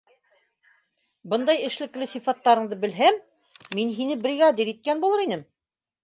Бындай эшлекле сифаттарыңды белһәм, мин һине бригадир иткән булыр инем...